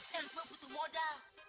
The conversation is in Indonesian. dan gue butuh modal